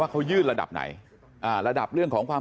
เขายื่นระดับไหนระดับเรื่องของความ